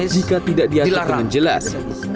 jika tidak diantar dengan jelas